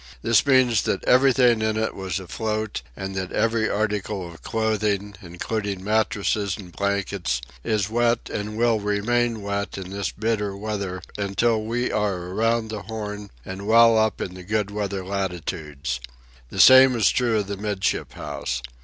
This means that everything in it was afloat and that every article of clothing, including mattresses and blankets, is wet and will remain wet in this bitter weather until we are around the Horn and well up in the good weather latitudes. The same is true of the 'midship house.